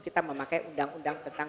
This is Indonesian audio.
kita memakai undang undang tentang